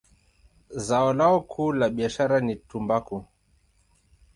Zao lao kuu la biashara ni tumbaku.